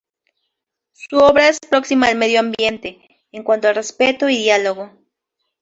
Su obra es próxima al medio ambiente, en cuanto al respeto y diálogo.